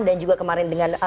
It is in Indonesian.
dan juga kemarin dengan